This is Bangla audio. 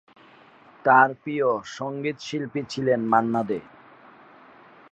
তার প্রিয় সংগীতশিল্পী ছিলেন মান্না দে।